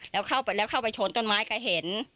แล้วเข้าไปชนต้นไม้ก็เห็น